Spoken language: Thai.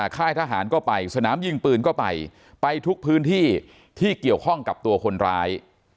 ค่ายทหารก็ไปสนามยิงปืนก็ไปไปทุกพื้นที่ที่เกี่ยวข้องกับตัวคนร้าย